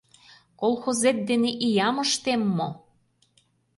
Колхозет дене иям ыштем мо?